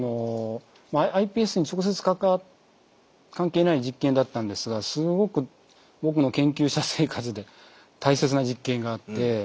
ｉＰＳに直接関係ない実験だったんですがすごく僕の研究者生活で大切な実験があって。